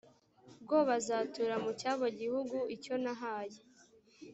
bwo bazatura mu cyabo gihugu icyo nahaye